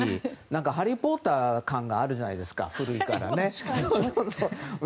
「ハリー・ポッター」感があるじゃないですか古いからね。